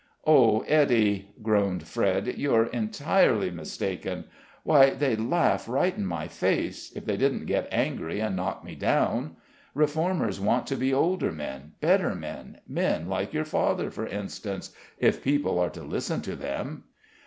"Oh, Ettie," groaned Fred, "you're entirely mistaken. Why, they'd laugh right in my face, if they didn't get angry and knock me down. Reformers want to be older men, better men, men like your father, for instance, if people are to listen to them."